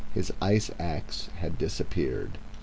His ice axe had disappeared.